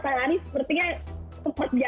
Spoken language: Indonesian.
panasnya itu matahari sepertinya